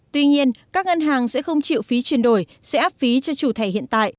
tuy nhiên các ngân hàng sẽ không chịu phí chuyển đổi sẽ áp phí cho chủ thẻ hiện tại